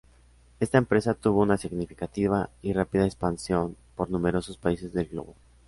Esta empresa tuvo una significativa y rápida expansión por numerosos países del globo.